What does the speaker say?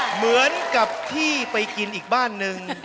เหมือนกับที่ไปกินอีกบ้านนึง